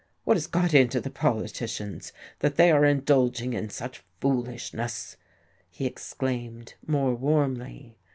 What has got into the politicians, that they are indulging in such foolishness?" he exclaimed, more warmly.